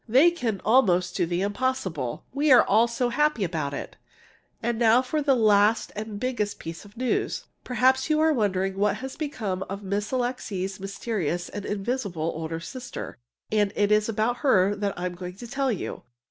They can almost do the impossible. We are all so happy about it! And now for the last and biggest piece of news! Perhaps you are wondering what has become of Miss Alixe's mysterious and invisible older sister, and it is about her that I'm going to tell you.